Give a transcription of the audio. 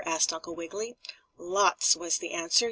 asked Uncle Wiggily. "Lots," was the answer.